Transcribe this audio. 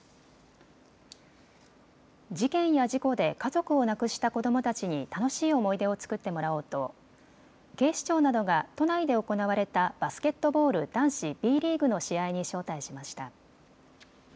事件や事故で家族を亡くした子どもたちに楽しい思い出を作ってもらおうと警視庁などが都内で行われたバスケットボール男子、Ｂリーグの試合に招待しました。